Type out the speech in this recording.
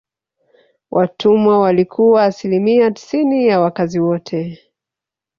Watumwa walikuwa asilimia tisini ya wakazi wote